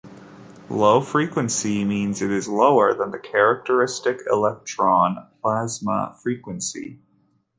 Low-frequency means it is lower than the characteristic electron plasma frequency.